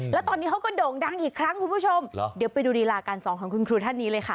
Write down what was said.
แล้วตอนนี้เขาก็โด่งดังอีกครั้งคุณผู้ชมเดี๋ยวไปดูรีลาการสอนของคุณครูท่านนี้เลยค่ะ